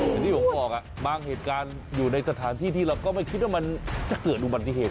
อย่างที่ผมบอกบางเหตุการณ์อยู่ในสถานที่ที่เราก็ไม่คิดว่ามันจะเกิดอุบัติเหตุ